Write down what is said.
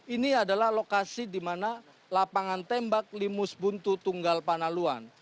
ini adalah lokasi di mana lapangan tembak limus buntu tunggal panaluan